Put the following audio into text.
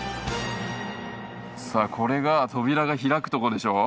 さあこれが扉が開くとこでしょう？